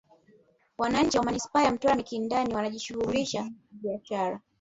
Wananchi wa Manispaa ya Mtwara Mikindani wanajishughulisha na biashara